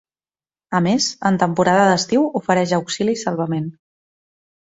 A més, en temporada d’estiu ofereix auxili i salvament.